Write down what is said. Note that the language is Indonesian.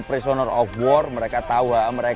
prisoner of war mereka tahu